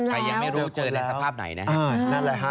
ใครยังไม่รู้เจอในสภาพไหนนะครับ